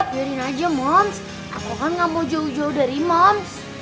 biarin aja mons aku kan gak mau jauh jauh dari mons